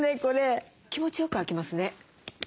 気持ちよく開きますね。